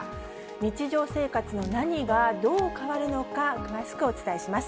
日常生活の何がどう変わるのか、詳しくお伝えします。